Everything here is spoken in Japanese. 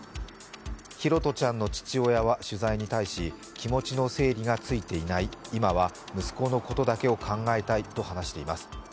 拓杜ちゃんの父親は取材に対し気持ちの整理がついていない、今は息子のことだけを考えたいと話しています。